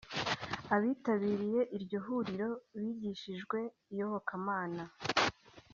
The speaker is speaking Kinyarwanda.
Abitabiriye iryo huriro bigishijwe iyobokamana